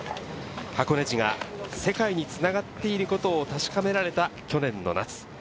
箱根路が世界に繋がっていることを確かめられた去年の夏。